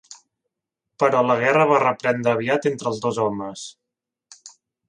Però la guerra va reprendre aviat entre els dos homes.